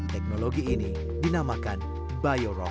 teknologi ini dinamakan biorock